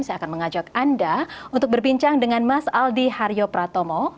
saya akan mengajak anda untuk berbincang dengan mas aldi haryo pratomo